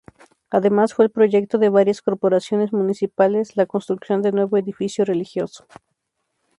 Además fue el proyecto de varias corporaciones municipales la construcción del nuevo edificio religioso.